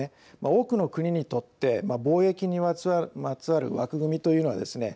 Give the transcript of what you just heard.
多くの国にとって貿易にまつわる枠組みというのはですね